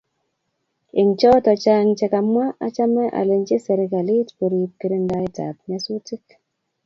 Eng choto chang che kamwa achame alech serikalit korib kirindaetab nyasutik